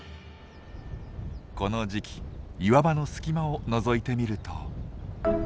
この時期岩場の隙間をのぞいてみると。